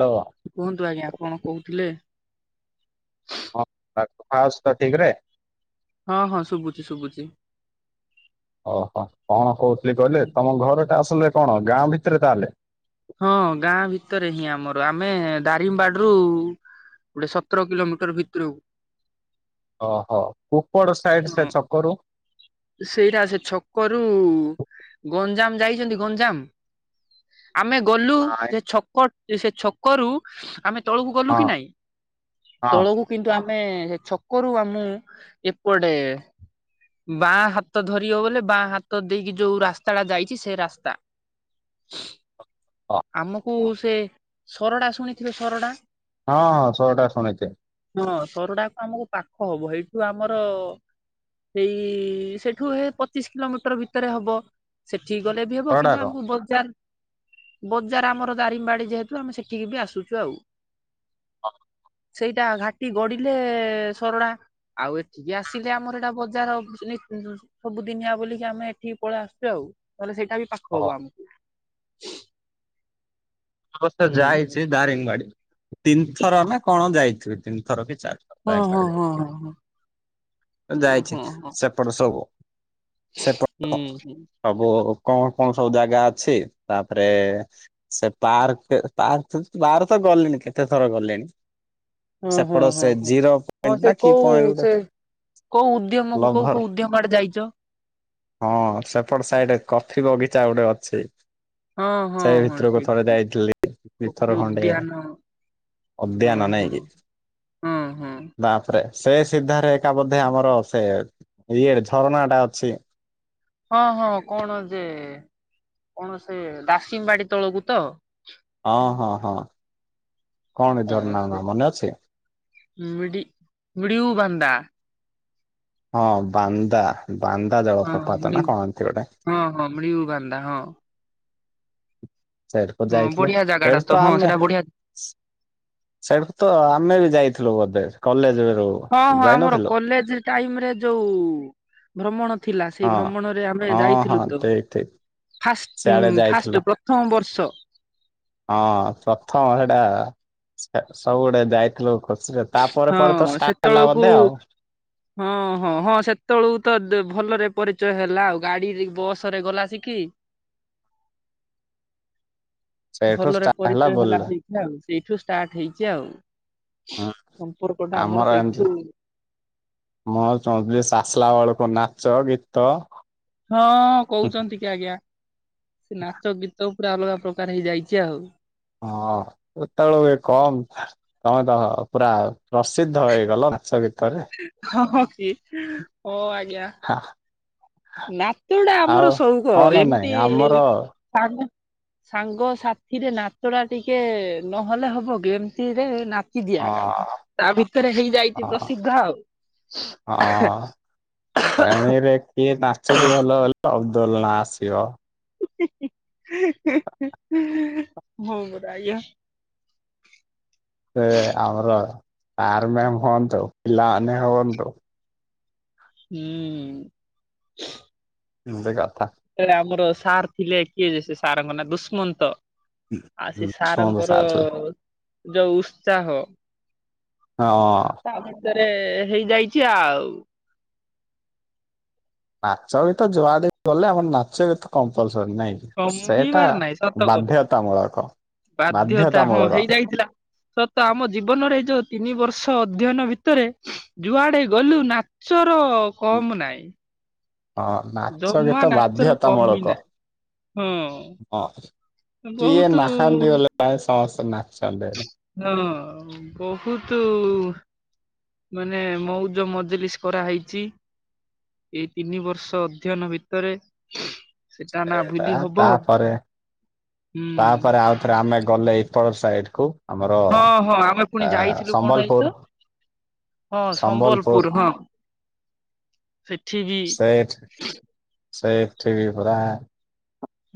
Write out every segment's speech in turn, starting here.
ଲୋ କୁହନ୍ତୁ ଆଜ୍ଞା କଣ କୋହୁଥିଲେ? ହଁ ତାକୁ ପାସ୍ ତ ଠିକ୍ ରେ? ହଁ ହଁ ଶୁଭୁଚି ଶୁଭୁଚି। ଓହ କଣ କହୁଥିଲି କହିଲେ, ହୁଁ। ତମ ଘରଟା ଆସଲ୍ ରେ କଣ ଗାଁ ଭିତରେ ତାହେଲେ? ହଁ ଗାଁ ଭିତରେ ହିଁ ଆମର ଆମେ ଦାରିଙ୍ଗବାଡିରୁୁ ଗୁଡେ ସତର କିଲୋମିଟର୍ ଭିତରୁ ଅହ କୁପଡ ସାଇଡ୍ ହଁ ସେ ଛକରୁ ସେଇଟା ସେ ଛକରୁ ଗଞ୍ଜାମ୍ ଯାଇଛନ୍ତି ଗଞ୍ଜାମ୍? ଆମେ ଗଲୁ ନାଇଁ, ସେ ଛକ ସେ ଛକରୁ ଆମେ ତଳକୁ ଗଲୁ ହଁ କି ନାଇଁ ହଁ ତଳକୁ କିନ୍ତୁ ଆମେ ସେ ଛକୁରୁ ଆମୁ ଏପଟେ ବାଁ ହାତ ଧରିବ ବୋଲେ ବାଁ ହାତ ଦେଇକି ଯୋଉ ରାସ୍ତାଟା ଯାଇଚି ସେ ରାସ୍ତା [unintelligible] ହଁ ଆମକୁ ସେ ସରଡ଼ା ଶୁଣିଥିବେ ସରଡ଼ା? ହଁ ହଁ ଶରଡ଼ା ଶୁଣିଚି। ହଁ ସରଡାକୁ ଆମୁକୁ ପାଖ ହବ ହେଇଠୁ ଆମର ସେଇ ସେଠୁ ହେ ପଚିଶ୍ କିଲୋମିଟର୍ ଭିତରେ ହବ। ସେଠିକି ଗଲେ ବି ହବ କିନ୍ତୁ ସହଡାର ଆମକୁ ବଜାର୍ ବଜାର ଆମର ଦାରିଙ୍ଗବାଡ଼ି ଯେହେତୁ ଆମେ ସେଠିକି ବି ଆସୁଚୁ ଆଉ। ହଁ। ସେଇଟା ଘାଟି ଗଡିଲେ ସରଡ଼ା‌। ଆଉ ଏଠିକି ଆସିଲେ ଆମର ଏଇଟା ବଜାର। ସବୁ ଦିନିଆ ବୋଲିକି ଆମେ ଏଠିକି ପଳେଇ ଆସୁଛୁ ଆଉ ତାହେଲେ ସେଇଟା ବି ପାଖ ଓହୋ ହବ ଆମକୁ। ଅବଶ୍ୟ ହୁଁ। ଯାଇଛି ଦାରିଙ୍ଗବାଡି ତିନ୍ ଥର ନା କଣ ଯାଇଥିବି ତିନିଥର କି ହଁ ଚାର୍ ହଁ ହଁ ହଁ ହଁ ଉଁ, ଯାଇଚି ହଁ ହଁ ସେପଟ ସବୁ। ସେପଟ ହୁଁ ହୁଁ। ସବୁ କୁ କଁ ସବୁ ଜାଗା ଅଛି ତାପରେ ପାର୍କ୍ ପାର୍କ୍ ପାର୍କ୍ ତ ଗଲେଣି କେତେ ଥର ଗଲେଣି। ହଁ ହଁ ହଁ ହଁ, ହଁ ପଏଣ୍ଟ ନା ସେ କି କଉ ପଏଣ୍ଟ ଗୋଟେ ସେ କୋଉ ଉଦ୍ୟମ କୋଉ ଲଭର କୋଉ ଉଦ୍ୟମ ଆଡେ ଯାଇଚ? ହଁ, ସେପଟ ସାଇଡରେ କଫି ବଗିଚା ଗୋଟେ ଅଛି। ହଁ ହଁ ସେଇ ହଁ ଭିତରକୁ ଠିକ୍ ଥରେ ଯାଇଥିଲି କୋଫି ଦିଥର ଖଣ୍ଡେ। ଉଦ୍ୟାନ ହଁ ଉଦ୍ୟନ ନାଇଁ ହଁ କି ହଁ ହଁ ରେ ସେ ସିଧାରେ ଏକା ବୋଧେ ଆମର ସେ ଇଏରେ ଝରଣା ଟା ଅଛି। ହଁ ହଁ କଣ ଯେ କଣ ସେ ଦାସିଂବାଡ଼ି ତଳକୁ ତ? ହଁ ହଁ ହଁ କଣ ଏ ଝରଣା ନା ମନେ ଅଛି? ମିଡ଼ି ମିଡ଼ିଉ ବାନ୍ଦା ହଁ ବାନ୍ଦା, ବାନ୍ଦା ହଁ ଜଳପ୍ରପାତ ମିଡି ନା କଣ ଏମିତ ଗୋଟେ। ହଁ ହଁ ମିଳିଉ ବାନ୍ଦା ହଁ। ସେଠକୁ ହଁ ଯାଇଥିଲୁ ବଢିଆ ଜାଗା ଟା ଏଠୁ ତ ହଁ ଆମେ ସେଟା ବଢିଆ ସେଠୁ ତ ଆମେ ବି ଯାଇଥିଲୁ ବୋଧେ କଲେଜ ରୁ ସବୁ। ହଁ ହଁ ଆମର କଲେଜ୍ ଟାଇମ୍ ରେ ଯୋଉ ଭ୍ରମଣ ଥିଲା ସେଇ ହଁ ଭ୍ରମଣରେ ଆମେ ହଁ ହଁ ଯାଇଥିଲୁ ତ। ଠିକ ଠିକ ଫାଷ୍ଟ୍ ସିଆଡେ ଯାଇଥିଲ ଫାଷ୍ଟ୍ ପ୍ରଥମ ବର୍ଷ। ହଁ ପ୍ରଥମ ସେଇଟା ସବୁ ଗୁଡେ ଯାଇଥିଲୁ। ହଁ ସେ ତାପରେ ପରେ ତ ହଁ ଷ୍ଟାର୍ଟ ହେଲା ସେତେବେଳକୁ ବୋଧେ ଆଉ? [unintelligible] ହଁ ହଁ ହଁ ସେତେବେଳକୁ ତ ଭଲରେ ପରିଚୟ ହେଲା ଆଉ ଗାଡି ବସ ରେ ଗଲା ଆସିକି। [unintelligible] ସେଇଠୁ ଭଲରେ ଷ୍ଟାର୍ଟ ପରିଚୟ ହେଲା ବୋଲରେ ସେଇଠା ଆଉ ସେଇଠୁ ଷ୍ଟାର୍ଟ ହେଇଛି ଆଉ। ହୁଁ ସମ୍ପର୍କଟା ଆମର ସେଇଠୁ ଏମିତି ମୁଁ ଚାହୁଁଥିଲି ସେ ଆସିଲା ବେଳକୁ ନାଚ ଗୀତ ହଁ କହୁଛନ୍ତି କି ଆଜ୍ଞା ନାଚ ଗୀତ ପୁରା ଅଲଗା ପ୍ରକାର ହେଇଯାଇଚି ଆଉ। ହଁ ବୋଇତିଆଳୁ ହୁଏ କମ୍। ତମେ ତ ପୁରା ପ୍ରସିଦ୍ଧ ହେଇଗଲ ନାଚ ଗୀତ୍ ହଁ ହ କି ହଁ ଆଜ୍ଞା। ନାତ ଟା ଆଉ ଆମର ସଉକ ହଁ ନା ନାଇଁ ଏମିତି ଆମର ତାକୁ ସାଙ୍ଗ ସାଥିରେ ନାଚଟା ଟିକେ ନହେଲେ ହବ କି ଏମିତିରେ ନାଚ୍ କି ଅ ଦିଆହେଲା। ତା ଭିତରେ ହେଇଯାଇଚି ପ୍ରସିଦ୍ଧ ଆଉ। ପାଣୀରେ କିଏ ନାଚୁଛି ଭଲ ହେଲେ ଅବଦୁଲ୍ ନା ଆସିବ। ହି ହି ହି ହେଁ ହେ ହଁ ମୋର ଆଜ୍ଞା? ସେ ଆମର ଆର୍ ମ୍ୟାମ୍ ହୁଅନ୍ତୁ। ପିଲାମାନେ ହୁଅନ୍ତୁ। ହୁଁ। ଏମତି କଥା। ସାର୍ ଆମର ସାର୍ ଥିଲେ କିଏ ଯେ ସାରଙ୍କ ନା ଦୁଷ୍ମନ୍ତ। ଆଉ ସେ ଶୁଣନ୍ତୁ ସାରଙ୍କର ସାର୍ ଥିଲେ ଯୋଉ ଉତ୍ସାହ ହଁ। ତା ଭିତରେ ହେଇଯାଇଛି ଆଉ। ନାଚ ଗୀତ ଜୁଆଡିକି ଗଲେ ଆମର ନାଚ ଗୀତ କମ୍ପଲସରୀ ନାଇଁ? କି? ସେଇଟା କମିବାର ନାଇଁ ସତ କଥା ବାଧ୍ୟତାମୂଳକ ବାଧ୍ୟତା ହଁ ବାଧ୍ୟତାମୂଳକ। ହେଇଯାଇଥିଲା। ସତ ଆମ ଜୀବନରେ ଏଇ ଯୋଉ ତିନି ବର୍ଷ ଅଧ୍ୟୟନ ଭିତରେ ଯୁଆଡେ ଗଲୁ ନାଚର କମ୍ ନାହିଁ। ହଁ ନାଚ ଜମା ଗୀତ ନାଚର ବାଧ୍ୟତା କମି ମୂଳକ! ନାହିଁ ହଁ ହଁ କିଏ ବହୁତ ନାହାନ୍ତି ହେଲେ ପ୍ରାୟ ସମସ୍ତେ ନାଚନ୍ତି ଏଠେ ହ ବହୁତୁ ମାନେ ମଉଜ ମଜଲିସ୍ କରାହେଇଚି। ଏଇ ତିନି ବର୍ଷ ଅଧ୍ୟୟନ ଭିତରେ ସେଟା ନା ସେଇଟା ଭୁଲି ହବ ତାପରେ ହୁଁ ତାପରେ ଆଉ ଏଥର ଆମେ ଗଲେ ଏଇପଟ ସାଇଡ କୁ? ଆମର ହଁ ହଁ ଆମେ ଆ ପୁଣି ଯାଇଥିଲୁ କଣ ହେଇଚି ସମ୍ବଲପୁର ତ? ହଁ ସମ୍ବଲପୁର ହଁ। ସେଠି ବି ସେଇଠି ବି ପୁରା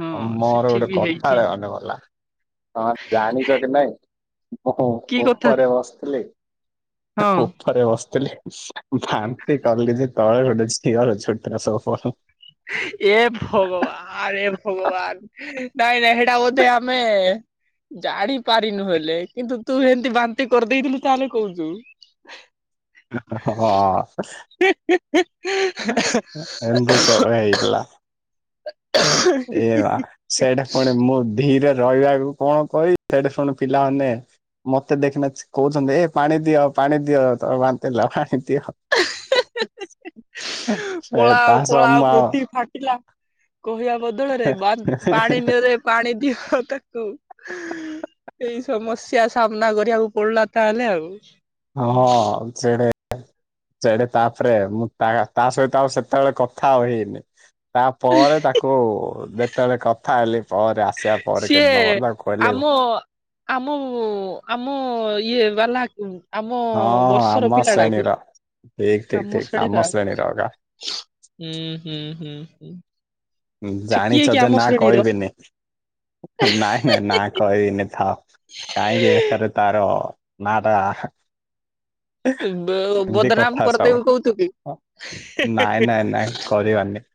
ହଁ ମୋର ସେଠି ଗୋଟେ ବି କଥା ହେଇଛି ଟେ ମନେପଡ଼ିଲା। ହଁ ଜାଣିଚ କି ନାଇଁ ମୁଁ କି କଥା ଉପରେ ବସିଥିଲି। ହଁ। ଉପରେରେ ବସିଥିଲି। ବାନ୍ତି କଲି ଯେ ତଳେ ଗୋଟେ ଝିଅର ଚୁଟଥିଲା ସବୁ ଫ [inaudible] ଏ ଭଗବାନ ଏ ଭଗବାନ ନାଇଁ ନାଇଁ ଏଟା ବୋଧେ ଆମେ ଜାଣି ପାରିନୁ ହେଲେ କିନ୍ତୁ ତୁ ଏମତି ବାନ୍ତି କରିଦେଇଥିଲୁ ତାହେଲେ କହୁଚୁ। ହଁ ଅ। ହେ ହେ ହେ ଏ ହେ। ଏମତି ଝଗଡା ହେଇଥିଲା ଏ ମା। ସେଇଟା ପୁଣି ମୁଁ ଧିରେ ରହିବାକୁ କଣ କହିବି ସେଟା ଶୁଣି ପିଲାମାନେ ମତେ ଦେଖିନା କହୁଚନ୍ତି ଏ ପାଣି ଦିଅ ପାଣି ଦିଅ ତ ବାନ୍ତି ହେଲା ପାଣି ଦିଅ। [inaudible] ସେ ପଳା ତା ଆ ସହ ପଳାଅ ମୁଁ ଆଉ ପୃଥିବୀ ଫାଟିଲା। କହିବା ବଦଳରେ ବା ପାଣି ନିଅରେ ପାଣି ଦିଅ ତାକୁ। ଏଇ ସମସ୍ୟା ସାମ୍ନା କରିବାକୁ ପଡିଲା ତାହେଲେ ଆଉ। ହଁ ସେଡେ ସେଡେ ତାପରେ ମୁଁ ତା ତା ସହିତ ଆଉ ସେତେବେଳେ କଥା ହେଇନି। ତା ପରେ ତାକୁ ଯେତେବେଳେ କଥା ହେଲି ପରେ ଆସ ସିଏ ଆମ। ଆମ ଆମ ଇଏ ବାଲାକୁ। ଆମ ହଁ ବର୍ଷର ଆମ ପିଲା ଟା କି ଶ୍ରେଣୀର ଠିକ ଠିକ ଆମ ଠିକ ଶେଣୀ ବା। ଶ୍ରେଣୀର ଏକା। ହୁଁ ହୁଁ ହୁଁ ହୁଁ। ସେ କିଏ ଜାଣିଛ କି ଯେ ଆମ ନା ଶ୍ରେଣୀର କହିବିନି ନାଇଁ ନାଇଁ ନା କହିବିନି ଥାଉ। କାହିଁକି ବେକାର ତାର ନାଟା। ଏମିତି ବଦନାମ କଥା କରିଦେବି ସବୁ କହୁଥିବି ନାଇଁ ନାଇଁ ନାଇଁ। କରିବାନି।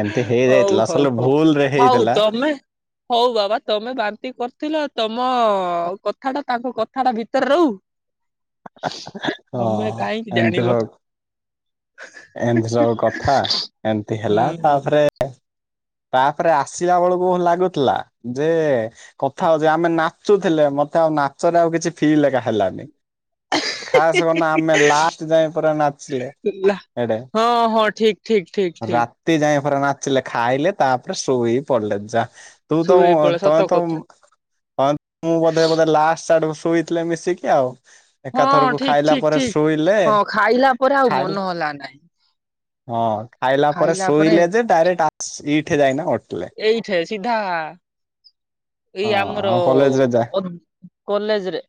ଏମିତି ହଉ ହେଇଯାଇଥିଲା ଅସଲ ହଉ ହଉ ଭୁଲରେ ହଉ ହେଇଥିଲା। ତମେ ହଉ ବାବା ତମେ ବାନ୍ତି କରିଥିଲ। ତମ କଥା ଟା ତାଙ୍କ କଥା ଟା ଭିତରେ ରହୁ। ତମେ ହଁ କହିଁକି ଏମିତି ଜାଣିବ। ସବୁ ଏମିତି ସବୁ କଥା ଏମତି ହୁଁ ହେଲା ହୁଁ ତାପରେ ତାପରେ ଆସିଲା ବେଳକୁ ଲାଗୁଥିଲା ଯେ କଥା ହଉଛି ଆମେ ନାଚୁଥିଲେ ମତେ ଆଉ ନାଚରେ ଆଉ କିଛି ଫିଲ୍ ଏକା ହେଲାନି। ହ ଖାସ୍ କଣ ଆମେ ଲାଷ୍ଟ ଯାଇଏ ପରା ନାଚିଲେ। ଏଡେ। ହଁ ହଁ ଠିକ ଠିକ ଠିକ ଠିକ। ସେ ଯାାଇ ଫ ନାଚିଲେ ଖାଇଲେ ତାପରେ ଶୋଇ ପଡିଲେ ଯା। ତୁ ତ ଶୋଇ ପଡେ ତ ସତ ତ କଥା। ମୁଁ ବୋଧେ ବୋଧେ ଲାଷ୍ଟ ଆଡ ଶୋଇଥିଲେ ମିଶିକି ଆଉ। ହଁ ଏକାଥରକୁ ଠିକ ଖାଇଲା ଠିକ ପରେ ଠିକ ଶୋଇଲେ ହଁ ଖାଇଲା ପରେ ଆଉ ମନ ଖାଇଲେ। ହେଲା ନାହିଁ। ହଁ ଖାଇଲା ପରେ ଶୋଇଲେ ଯେ ଡାଇରେକ୍ଟ ଇଠେ ଯାଇନା ଉଠିଲେ। ଏଇଠେ ସିଧା ଏଇ ହଁ ଆମର ଆମ କଲେଜରେ ଯା କଲେଜ ରେ।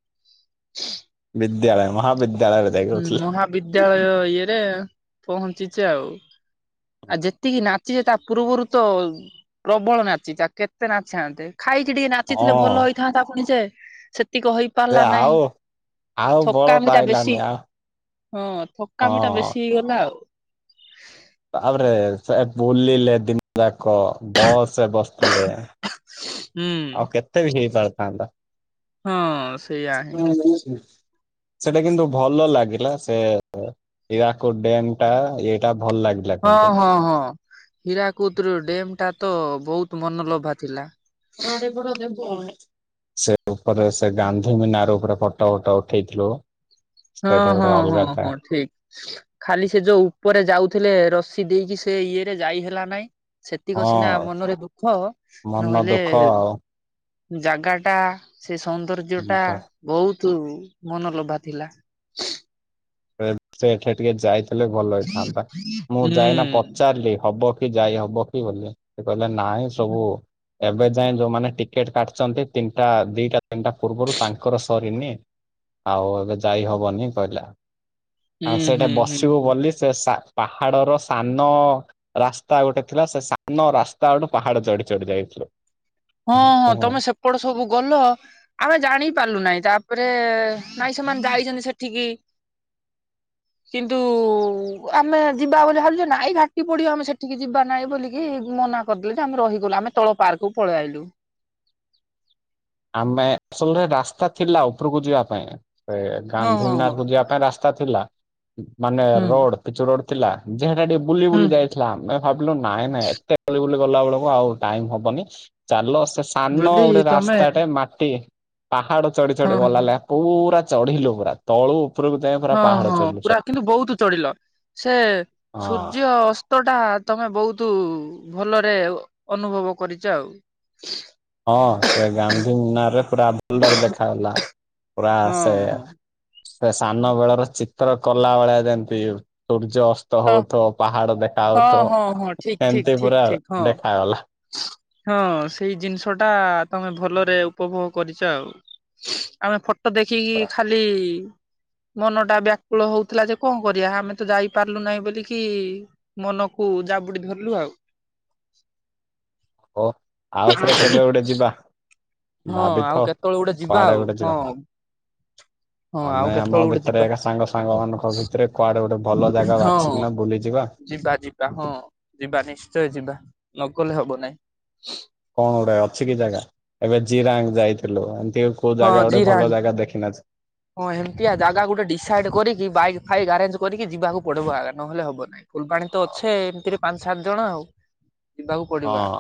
ବିଦ୍ୟାଳୟ ମହାବିଦ୍ୟାଳୟରେ। ଯାଇକି ହୁଁ ଉଠିଲେ। ମହାବିଦ୍ୟାଳୟ ଇଏରେ ପହଞ୍ଚିଚେ ଆଉ। ଆଉ ଯେତିକି ନାଚିଚେତା ପୂର୍ବରୁ ତ ପ୍ରବଳ ନାଚିଚେ ତା କେତେ ନାଚିଥାନ୍ତେ। ଖାଇକି ଟିକେ ନାଚିଥିଲେ ହଁ ଭଲ ହେଇଥାନ୍ତା ପୁଣି ଯେ ସେତିକି କହି। ସେ ପାରିଲା ନାଇଁ ଆଉ ଆଉ ବଳ ଥକାମଟା ବେଶୀ। ପାଇଲାନି ଆଉ ହଁ ଥକାମିଟା ହଁ। ବେଶୀ ହେଇଗଲା ଆଉ। ବାବରେ ବୁଲିିଲେ ଦିନ ଦାକ ବସରେ ବସିଥିଲେ। ହୁଁ ଆଉ କେତେ ବି ହେଇପାରିଥାନ୍ତା। ହଁ ସେଇଆ ହିଁ [inaudible] ସେଟା କିନ୍ତୁ ଭଲ ଲାଗିଲା ସେ ଇରାକୁଦ ଡ୍ୟାମ ଟା ଏଇଟା ଭଲ ଲାଗିଲା। ହଁ କିନ୍ତୁ। ହଁ ହଁ ହୀରାକୁଦର ଡେମଟା ତ ବହୁତ ମନଲୋଭା ଥିଲା। [inaudible] ସେ ଉପରେ ସେ ଗାନ୍ଧୀ ମିନାର ଉପରେ ଫଟୋ ଫଟୋ ଉଠେଇଥିଲୁ। ହଁ ସେଇଟା ହଁ ଗୋଟେ ହଁ ଅଲଗା ଟା ହଁ ଠିକ। ଖାଲି ସେ ଯୋଉ ଉପରେ ଯାଉଥିଲେ ରସି ଦେଇକି ସେ ଇଏରେ ଯାଇ ହେଲା ନାଇଁ। ସେତିକ ହଁ ସିନା ମନରେ ଦୁଃଖ ମନ ନହେଲେ ଦୁଃଖ ଯାଗାଟା ସେ ସୌନ୍ଦର୍ଯ୍ୟଟା ଆଉ। ବହୁତ ମନଲୋଭା ଥିଲା। ସେଠି ଟିକେ ଯାଇଥିଲେ ଭଲ ହେଇଥାନ୍ତା ମୁଁ ହୁଁ ଯାଇନା ପଚାରିଲି ହବ କି ଯାଇ ହବ କି ବୋଲି ସେ କହିଲେ ନାଇଁ ସବୁ ଏବେ ଯାଏ ଯୋଉମାନେ ଟିକେଟ କାଟିଛନ୍ତି ତିନିଟା ଦିଟା ତିନିଟା ପୂର୍ବରୁ ତାଙ୍କର ସରିନି ଆଉ ଏବେ ଯାଇ ହବନି କହିଲା? ହୁଁ ଆଉ, ସେଠେ ହୁଁ ହୁଁ ବସିବୁ ହୁଁ ବୋଲି ସେ ସା ପାହାଡର ସାନ ରାସ୍ତା ଗୋଟେ ଥିଲା ସେ, ସାନ ରାସ୍ତା ଗୋଟେ ପାହାଡ ଚଢି ଚଢି ଯାଇଥିଲୁ। ହଁ, ହଁ, ତମେ ସେପଟେ ସବୁ ଗଲ। ଆମେ ଜାଣି ପାରିଲୁ ନାହିଁ। ତା'ପରେ ନାଇଁ ସେମାନେ ଯାଇଛନ୍ତି ସେଠିକି। କିନ୍ତୁ, ଆମେ ଯିବା ବୋଲି ଭାବିଲୁ ଯେ ନାଇଁ ଘାଟି ପଡିବ, ଆମେ ସେଠିକି ଯିବା ନାହିଁ ବୋଲି ମନା କରିଦେଲେ ଯେ ଆମେ ରହିଗଲୁ, ଆମେ ତଳ ପାର୍କକୁ ପଳେଇ ଆଇଲୁ। ଆମେ ଶୁନୁନୁରେ ରାସ୍ତା ଥିଲା ଉପରକୁ ଯିବା ପାଇଁ, ସେ ହଁ ଗାନ୍ଧୀ ହଁ ହଁ ମିନାର କୁ ଯିବା ପାଇଁ ରାସ୍ତ। ସ୍ତା ଥିଲା ମାନେ ରୋଡ, ପିଚୁ ରୋଡ ଥିଲା। ଯେ ହେଟା ଟିକେ ବୁଲି ହୁଁ ବୁଲି ଯାଇଥିଲା। ଭାବିଲୁ ନାଇଁ ନାଇଁ, ଏତେ ବୁଲି ବୁଲି ଗଲା ବେଳକୁ ଆଉ ଟାଇମ୍ ହବନି ଚାଲ ସେ ସାନ ବୋଲି ଗୋଟେ ରାସ୍ ତମେ ମାଟି ପାହାଡ ଚଢି ହଁ ଚଢି ଗଲା ହଁ ଲେ ପୁରା ଚଢିଲୁ ପୁରା, ତଳୁ ଉପରକୁ ଯାଏ ପୁରା ହଁ, ପାହାଡ ହଁ, ଚଢିଲୁ ସେ ପୁରା କିନ୍ତୁ ବହୁତ ଚଢିଲ। ସେ ହଁ ସୂର୍ଯ୍ୟ ଅସ୍ ତ ଟା ତମେ ବହୁତ ଭଲରେ ଅନୁଭବ କରିଚ ଆଉ। ହଁ, ସେ ଗାନ୍ଧୀ ମିନାରରେ ପୁରା ଭଲରେ ଦେଖାଗଲା। ପୁରା ହଁ ସେ ହଁ। ସେ ସାନ ବେଳର ଚିତ୍ର କଲା ବଳେ ଯେମିତି, ସୂର୍ଯ୍ୟ ଅସ୍ ତ ହଁ ହଉଥିବ ପାହାଡ ଦେଖା ହଁ ହାଉଥିବ ହଁ ହଁ ଠିକ ଠିକ ଏମିତି ଠିକ ପୁରା ଠିକ ହଁ। ଦେଖାଗଲା। ହଁ, ସେଇ ଜିନିଷଟା ତମେ ଭଲରେ ଉପଭୋଗ କରିଚ ଆଉ। ଆମେ ଫ ଟ ଦେଖିକି ପୁରା ଖାଲି ମନଟା ବ୍ୟାକୁଳ ହଉଥିଲା ଯେ, କଣ କରିବା? ଆମେ ତ ଯାଇ ପାରିଲୁ ନାହିଁ, ବୋଲିକି ମନକୁ ଜାବୁଡି ଧରଲୁ ଆଉ। ଓଃ ଆଉଥରେ, କେବେ ଗୋଟେ ଯିବା? ହଁ, ଆଉ ଭାବିଥାଅ କେତଳେ ଗୋଟେ ଯିବା, କୁଆଡେ ଗୋଟେ ଯିବା। ଆଉ ହଁ। ଆଉ ଆମେ ଆମ କେତେବେଳେ ଗୋଟେ ଭିତରେ ଯିବା ଏକା ସାଙ୍ଗ ସାଙ୍ଗ ମାନଙ୍କ ଭିତରେ କୁଆଡେ ଗୋଟେ ଭଲ ଯାଗା ହଁ। ବାଛିିକିନା ବୁଲିଯିବା। ଯିବା ଯିବା ହଁ, ଯିବା ନିଶ୍ଚୟ ଯିବା ନଗଲେ ହବ ନାଇଁ। କଣ ଗୋଟେ ଅଛି କି ଯାଗା? ଏବେ ଜିରାଙ୍ଗ୍ ଯାଇଥିଲୁ। ଏମତି କୋଉ ହଁ ଜାଗା, ଗୋଟେ ଭଲ ଜିରାଙ୍ଗ ଜାଗା ଦେଖିିନା ଛି ହଁ, ହେମତିଆ ଜାଗା ଗୋଟେ ଡିସାଇଡ୍ କରିକି ବାଇକ୍ ଫାଇକ୍ ଆରେଞ୍ଜ କରିକି ଯିବାକୁ ପଡିବ, ଆଗା ନହଲେ ହବ ନାଇଁ। ଫୁଲବାଣୀ ତ ଅଛେ, ଏମିତିରେ ପାଞ୍ଚ ସାତ ଜଣ ଆଉ। ଯିବାକୁ ପଡିବ ହଁ, ଆଗା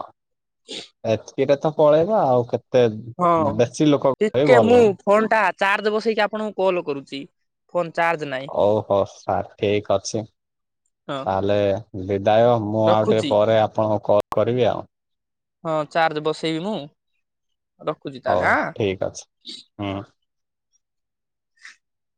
ଏତକିରେତ ପଳେଇବା ଆଉ କେତ୍ ତେ, ବେଶୀ ଲୋକ [inaudible] ଭଲ ନାହିଁ। ଫୋନଟା ଚାର୍ଜ ବସେଇକି ଆପଣଙ୍କୁ କଲ୍ କରୁଚି। ଫୋନ୍ ଚାର୍ଜ ନାହିଁ। ଓହୋ! ସାର୍ ଠିକ୍ ଅଛି। ହଁ। ତା, ହେଲେ ବିଦାୟ। ମୁଁ ଆଉ ଟିକେ ରଖୁଛି ପରେ, ଆପଣଙ୍କୁ କଲ୍ କରିବି ଆଉ। ହଁ, ଚାର୍ଜ ବସେଇବି ମୁଁ, ରଖୁଛି ହଉ ତାହେଲେ ଆଁ। ଠିକ ଅଛି ହୁଁ। [inaudible]